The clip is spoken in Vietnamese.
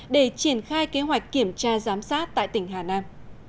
để triển khai kế hoạch kiểm tra giám sát tại tỉnh hà nam